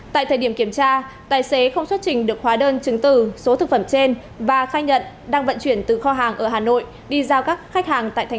tại thời điểm kiểm tra tài xế không xuất trình được khóa đơn chứng từ số thực phẩm trên và khai nhận đang vận chuyển từ kho hàng ở hà nội đi giao các khách hàng